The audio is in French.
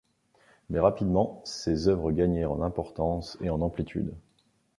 Mais rapidement, ses œuvres gagnèrent en importance et en amplitude.